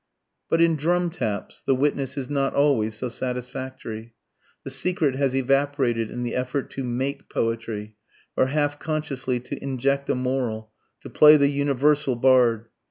But in "Drum Taps" the witness is not always so satisfactory. The secret has evaporated in the effort to make poetry, or half consciously to inject a moral, to play the Universal Bard.